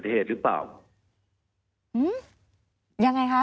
มีความรู้สึกว่ามีความรู้สึกว่า